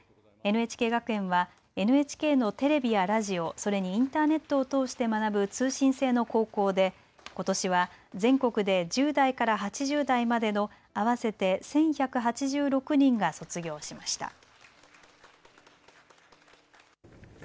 ＮＨＫ学園はＮＨＫのテレビやラジオ、それにインターネットを通して学ぶ通信制の高校でことしは全国で１０代から８０代までの合わせて１１８６人が卒業しました。